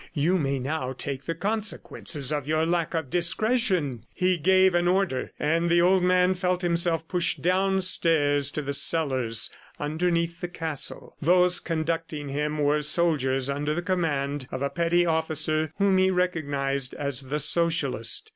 You may now take the consequences of your lack of discretion." He gave an order, and the old man felt himself pushed downstairs to the cellars underneath the castle. Those conducting him were soldiers under the command of a petty officer whom he recognized as the Socialist.